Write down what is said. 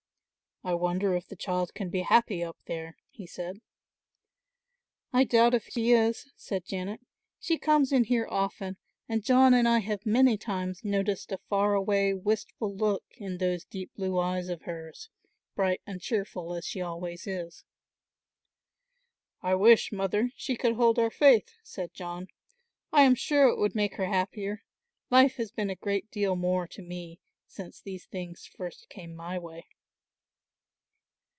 "I wonder if the child can be happy up there," he said. "I doubt if she is," said Janet; "she comes in here often and John and I have many times noticed a far away wistful look in those deep blue eyes of hers, bright and cheerful as she always is." "I wish, Mother, she could hold our faith," said John. "I am sure it would make her happier. Life has been a great deal more to me since these things first came my way."